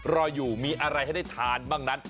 รออยู่มีอะไรให้ได้ทานบ้างนั้น